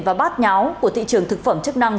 và bát nháo của thị trường thực phẩm chức năng